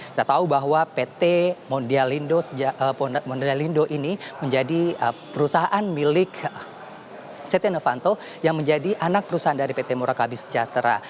kita tahu bahwa pt mondialindo ini menjadi perusahaan milik setia novanto yang menjadi anak perusahaan dari pt murakabi sejahtera